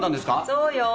そうよ。